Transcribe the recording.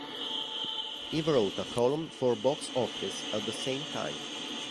He wrote a column for "BoxOffice" at the same time.